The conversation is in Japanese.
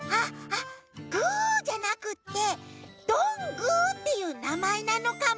あっぐーじゃなくってどんぐーっていうなまえなのかも。